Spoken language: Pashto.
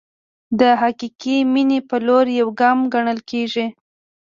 د حقیقي مینې په لور یو ګام ګڼل کېږي.